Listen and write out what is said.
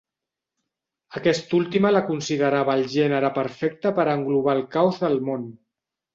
Aquesta última la considerava el gènere perfecte per englobar el caos del món.